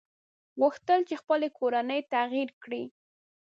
غوښتل يې خپله کورنۍ تغيير کړي.